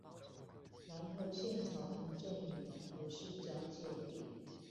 南投縣草屯鎮與南投市交界點